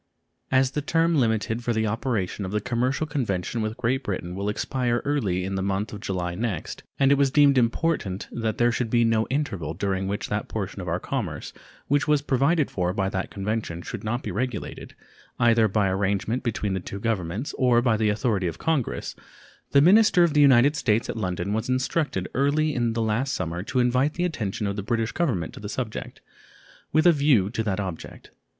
As the term limited for the operation of the commercial convention with Great Britain will expire early in the month of July next, and it was deemed important that there should be no interval during which that portion of our commerce which was provided for by that convention should not be regulated, either by arrangement between the two Governments or by the authority of Congress, the minister of the United States at London was instructed early in the last summer to invite the attention of the British Government to the subject, with a view to that object.